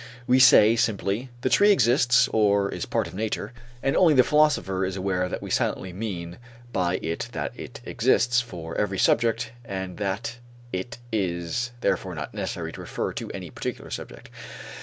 We say simply: the tree exists or is part of nature; and only the philosopher is aware that we silently mean by it that it exists for every subject and that it is therefore not necessary to refer to any particular subject.